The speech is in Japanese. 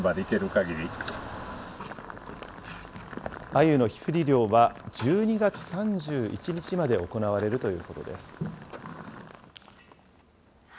アユの火振り漁は１２月３１日まで行われるということです。